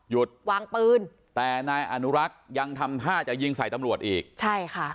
วางปืนแต่นายอนุรักษ์ยังทำท่าจะยิงใส่ตำรวจอีกใช่ค่ะ